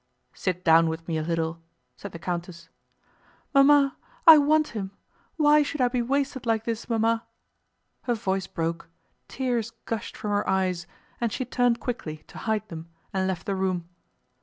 "Sit down with me a little," said the countess. "Mamma, I want him. Why should I be wasted like this, Mamma?" Her voice broke, tears gushed from her eyes, and she turned quickly to hide them and left the room.